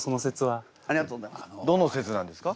どの節なんですか？